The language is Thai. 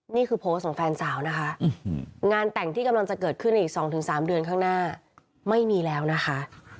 นี่คือโพสต์ของแฟนสาวนะคะงานแต่งที่กำลังจะเกิดขึ้นในอีก๒๓เดือนข้างหน้าไม่มีแล้วนะคะ